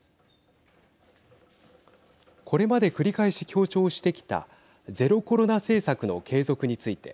これまで繰り返し強調してきたゼロコロナ政策の継続について。